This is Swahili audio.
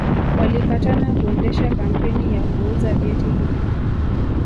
Walipatana kuendesha kampeni ya kuuza vyeti hivyo